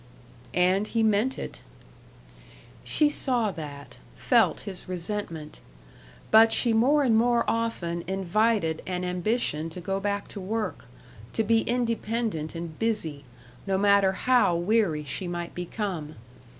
And he meant it. She saw that, felt his resentment. But she more and more often invited an ambition to go back to work, to be independent and busy, no matter how weary she might become.